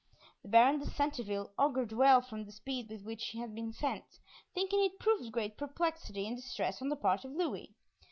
The Baron de Centeville augured well from the speed with which he had been sent, thinking it proved great perplexity and distress on the part of Louis.